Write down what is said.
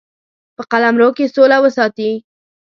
په قلمرو کې سوله وساتي.